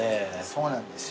そうなんですよ。